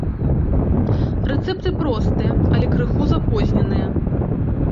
Рэцэпты простыя, але крыху запозненыя.